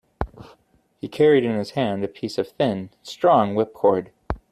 He carried in his hand a piece of thin, strong whipcord.